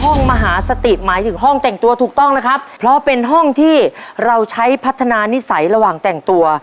มหาสติหมายถึงห้องแต่งตัวถูกต้องนะครับเพราะเป็นห้องที่เราใช้พัฒนานิสัยระหว่างแต่งตัว